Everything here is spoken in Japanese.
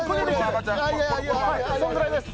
そのぐらいです。